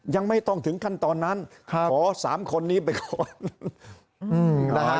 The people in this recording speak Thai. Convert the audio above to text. ยังไม่ต้องถึงขั้นตอนนั้นครับขอสามคนนี้ไปก่อนอืมอ๋อ